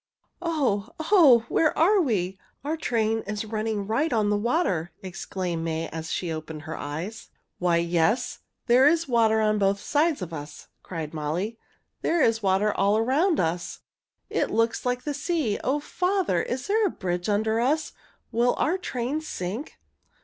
"Oh! Oh! Where are we? Our train is running right on the water!" exclaimed May as she opened her eyes. "Why, yes! There is water on both sides of us!" cried Molly. "There is water all around us. It looks like the sea. O father! Is there a bridge under us? Will our train sink?"